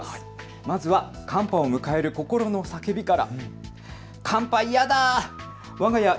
まずは寒波を迎える心の叫びから。